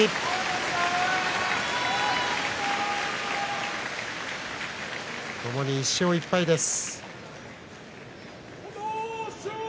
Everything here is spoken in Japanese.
拍手ともに１勝１敗です。